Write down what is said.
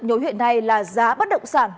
nhối huyện này là giá bất động sản